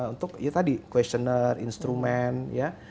untuk ya tadi questionnaire instrumen ya